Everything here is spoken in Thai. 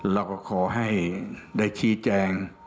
เราก็ขอให้ได้ชี้แจง